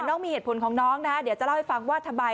น้องมีเหตุผลของน้องนะเดี๋ยวจะเล่าให้ฟังว่าทำไม